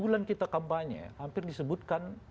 bulan kita kampanye hampir disebutkan